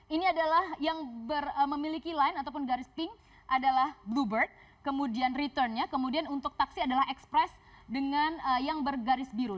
ini adalah yang memiliki line ataupun garis pink adalah bluebird kemudian returnnya kemudian untuk taksi adalah express dengan yang bergaris biru